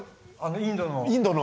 インドの。